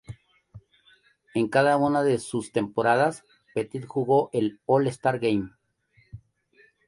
En cada una de sus temporadas, Pettit jugó el All-Star Game.